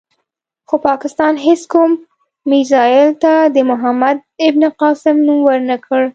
خو پاکستان هېڅ کوم میزایل ته د محمد بن قاسم نوم ور نه کړ.